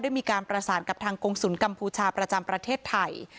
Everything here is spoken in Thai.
มีการประสานกับทางกงศูนย์กัมพูชาประจำประเทศไทย